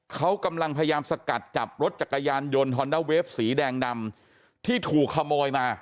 เขากำลังพยายามสกัดจับรถจักรยานยนต์ฮอนด้าเวฟสีแดงดำที่ถูกขโมยมา